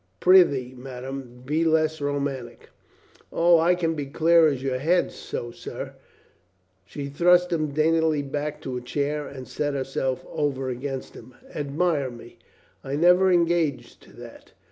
"Prithee, madame, be less romantic." "O, I can be clear as your head. So, sir —" she thrust him daintily back to a chair and set herself over against him. "Admire me!" "I never engaged to that."